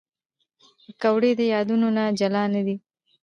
پکورې د یادونو نه جلا نه دي